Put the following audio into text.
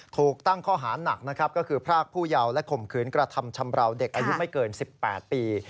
ถูกตั้งข้อหาหนักนะครับก็คือพรากผู้เยาว์และข่มขืนกระทำชำราวเด็กอายุไม่เกิน๑๘ปี